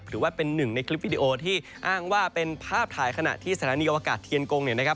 ถือว่าเป็นหนึ่งในคลิปวิดีโอที่อ้างว่าเป็นภาพถ่ายขณะที่สถานีอวกาศเทียนกงเนี่ยนะครับ